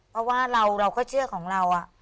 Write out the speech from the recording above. เพราะว่าเราก็เชื่อของเรา